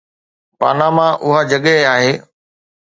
Panama اها جڳهه آهي.